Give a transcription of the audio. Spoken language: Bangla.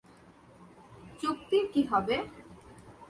চুক্তির কী হবে?